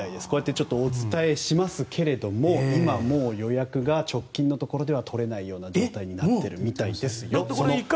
今、お伝えしましたが今もう予約が直近のところでは取れないような状態になっているみたいですよ。